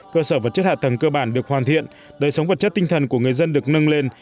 cơ sở vật chất hạ tầng cơ bản được hoàn thiện đời sống vật chất tinh thần của người dân được nâng lên